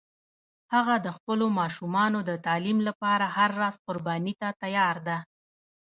هغه د خپلو ماشومانو د تعلیم لپاره هر راز قربانی ته تیار ده